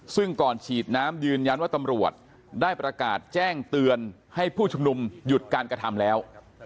ซึ่งก่อนฉีดน้ำยืนยันว่าตำรวจได้ประกาศแจ้งเตือนให้ผู้ชุมนุมหยุดการกระทำแล้ว